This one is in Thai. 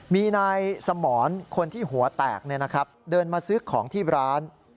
มีนายสมรคนที่หัวแตกเดินมาซื้อของที่ร้าน